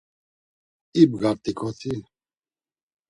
İbgart̆iǩoti…